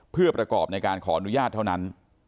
เพื่อประกอบในการขออนุญาตเท่านั้น